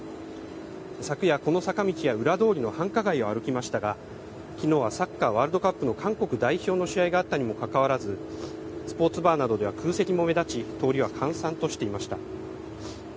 昨夜、この坂道や裏通りの繁華街を歩きましたが、きのうはサッカーワールドカップの韓国代表の試合があったにもかかわらず、スポーツバーなどでは空席も目立ち、通りは閑散としていました。